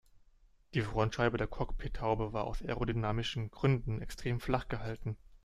Die Frontscheibe der Cockpithaube war aus aerodynamischen Gründen extrem flach gehalten.